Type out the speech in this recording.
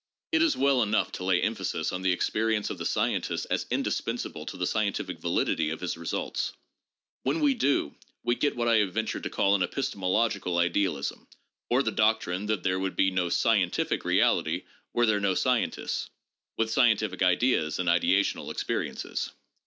It is well enough to lay emphasis on the experience of the scientist as indispensable to the scientific validity of his results. When we do, we get what I have ventured to call an epistemo logical idealism, or the doctrine that there would be no scientific reality were there no scientists, with scientific ideas and ideational experiences.